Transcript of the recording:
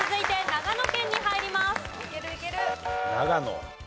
長野。